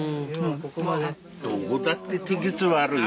どこだって適地はあるよ。